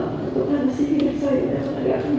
keputusan disimpian saya dan menegakkan